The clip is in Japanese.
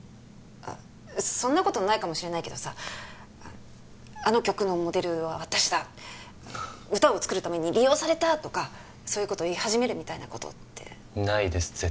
あっそんなことないかもしれないけどさあの曲のモデルは私だ歌を作るために利用されたとかそういうこと言い始めるみたいなことってないです